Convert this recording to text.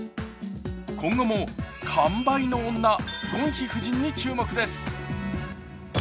今後も完売の女、ゴンヒ夫人に注目です。